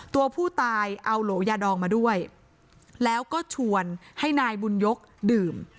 ตัวผู้ตายเอาโหลยาดองมาด้วยแล้วก็ชวนให้นายบุญยกดื่ม